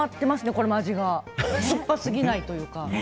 これも味が酸っぱすぎないというか。